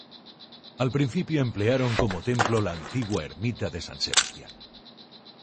Al principio emplearon como templo la antigua ermita de San Sebastián.